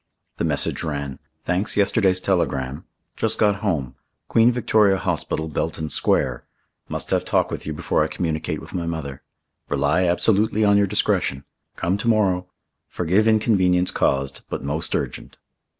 The message ran: "Thanks yesterday's telegram. Just got home. Queen Victoria Hospital, Belton Square. Must have talk with you before I communicate with my mother. Rely absolutely on your discretion. Come to morrow. Forgive inconvenience caused, but most urgent."